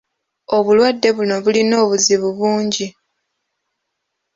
Obulwadde buno bulina obuzibu bungi.